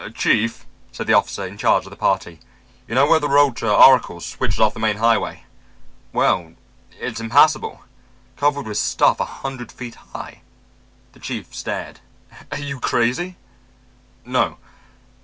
"Chief," said the officer in charge of the party, "you know where the road to Oracle switches off the main highway? Well, it's impassable, covered with stuff a hundred feet high." The chief stared. "Are you crazy?" "No.